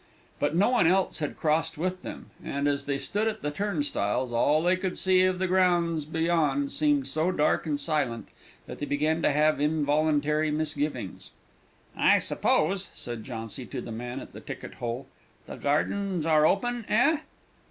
But no one else had crossed with them; and, as they stood at the turnstiles, all they could see of the grounds beyond seemed so dark and silent that they began to have involuntary misgivings. "I suppose," said Jauncy to the man at the ticket hole, "the gardens are open eh?"